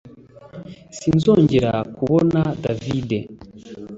Sinzongera kubona David